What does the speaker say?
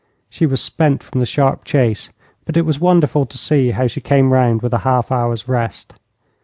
She was spent from the sharp chase, but it was wonderful to see how she came round with a half hour's rest.